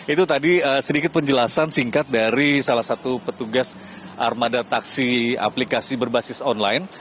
itu tadi sedikit penjelasan singkat dari salah satu petugas armada taksi aplikasi berbasis online